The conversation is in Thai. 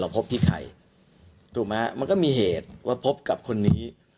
เราพบที่ไข่ถูกไหมอ่ะมันก็มีเหตุเพราะพบกับคนนี้